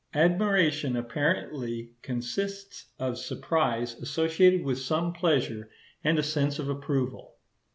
Admiration apparently consists of surprise associated with some pleasure and a sense of approval.